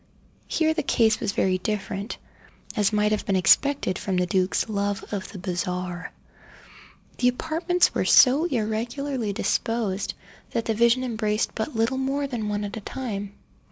Here the case was very different, as might have been expected from the duke's love of the bizarre. The apartments were so irregularly disposed that the vision embraced but little more than one at a time.